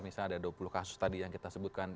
misalnya ada dua puluh kasus tadi yang kita sebutkan